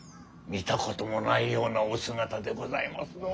見たこともないようなお姿でございますぞ。